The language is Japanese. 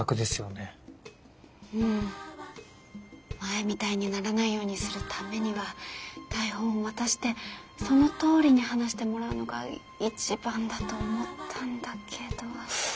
うん前みたいにならないようにするためには台本を渡してそのとおりに話してもらうのが一番だと思ったんだけど。